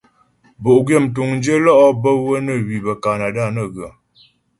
Bo'gwyə mtuŋdyə lɔ' bə́ wə́ nə hwi bə́ Kanada nə ghə.